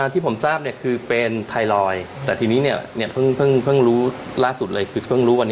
ที่ผมทราบเนี่ยเป็นไทรอยด์แต่ทีนี้เนี่ยเพิ่งรู้ว่าเป็นมะเร็งด้วย